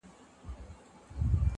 سي خوراک د توتکیو د مرغانو!